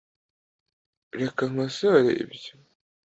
Reka nkosore ibyo .